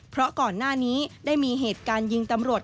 เพราะก่อนหน้านี้ได้มีเหตุการณ์ยิงตำรวจ